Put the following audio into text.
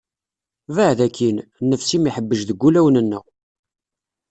Baɛed akin! Nnefs-im ihebbej deg wulawen-nneɣ.